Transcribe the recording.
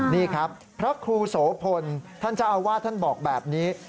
นี่ครับพระครูโสพลท่านเจ้าอาวาสท่านบอกแบบนี้